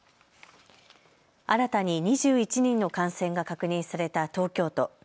新たに２１人の感染が確認された東京都。